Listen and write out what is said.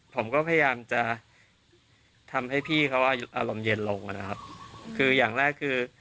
ผมก็พยายามจะทำให้พี่เขาอารมณ์เย็นลงนะครับคืออย่างแรกคือ